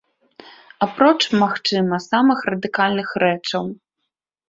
Апроч, магчыма, самых радыкальных рэчаў.